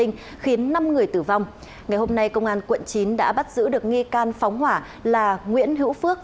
ngày hôm nay công an quận chín đã bắt giữ được nghi can phóng hỏa là nguyễn hữu phước